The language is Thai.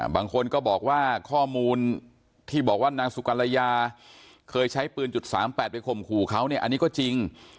บางคนก็บอกว่าข้อมูลที่บอกว่านางสุกรยาเคยใช้ปืนจุด๓๘ไปข่มขู่เขาเนี่ยอันนี้ก็จริง